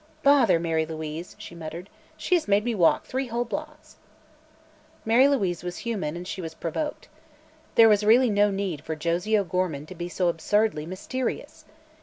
"Bother Mary Louise!" she muttered, "she has made me walk three whole blocks." Mary Louise was human and she was provoked. There was really no need for Josie O'Gorman to be so absurdly mysterious.